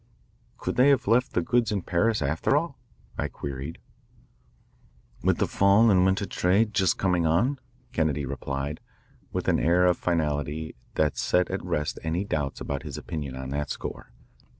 "Could they have left the goods in Paris, after all?" I queried. "With the fall and winter trade just coming on?" Kennedy replied, with an air of finality that set at rest any doubts about his opinion on that score.